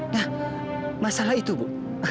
nah masalah itu bu